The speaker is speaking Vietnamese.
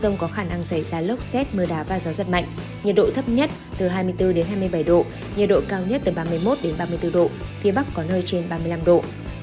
nhiệt độ thấp nhất hai mươi bốn hai mươi bảy độ nhiệt độ cao nhất ba mươi một ba mươi bốn độ phía bắc có nơi trên ba mươi năm độ